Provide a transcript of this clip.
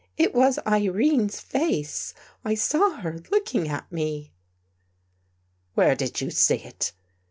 " It was Irene's face. I saw her looking at me." "Where did you see it?"